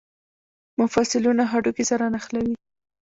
مفصلونه هډوکي سره نښلوي